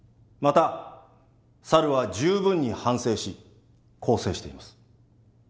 また猿は十分に反省し更生しています。